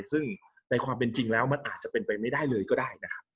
ซึ่งในความเป็นจริงแล้วมันอาจจะเป็นไปไม่ได้เลยก็ได้นะครับ